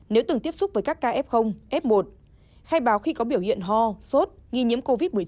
nếu từng tiếp xúc với các ca f f một khai báo khi có biểu hiện ho sốt nghi nhiễm covid một mươi chín